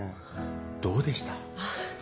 どうでした？